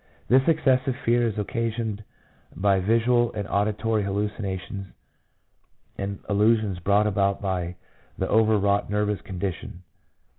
This excessive fear is occasioned by visual and auditory hallucinations and illusions brought about by the over wrought nervous condition.